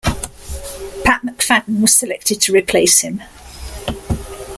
Pat McFadden was selected to replace him.